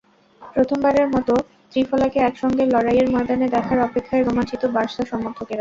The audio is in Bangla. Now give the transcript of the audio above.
প্রথমবারের মতো ত্রিফলাকে একসঙ্গে লড়াইয়ের ময়দানে দেখার অপেক্ষায় রোমাঞ্চিত বার্সা সমর্থকেরাও।